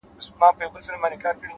صبر د بریا اوږده پټه لاره ده,